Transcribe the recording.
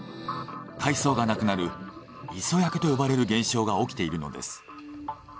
海草がなくなる磯焼けと呼ばれる現象が起きているのです。